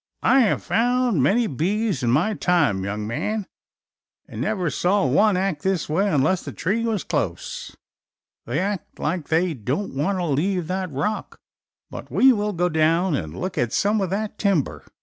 "I have found many bees in my time, young man, an' never saw one act this way unless the tree was close. They act like they don't want to leave that rock; but we will go down and look at some of that timber."